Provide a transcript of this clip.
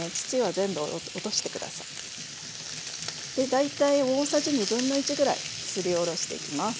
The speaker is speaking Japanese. で大体大さじ1/2ぐらいすりおろしていきます。